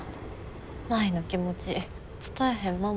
舞の気持ち伝えへん